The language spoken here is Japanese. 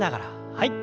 はい。